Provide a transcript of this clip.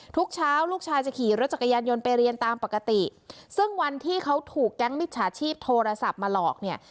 ทุกเช้าลูกชายจะขี่รถจักรยานยนต์ไปเรียนตามปกติซึ่งวันที่เขาถูกแก๊งมิจฉาชีพโทรศัพท์มาหลอกเนี่ย